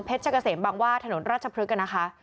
เพชรเจ้าเกษมบังวาดถนนราชพฤกษ์กันนะคะ